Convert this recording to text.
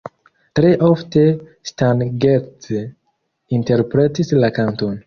Tre ofte Stan Getz interpretis la kanton.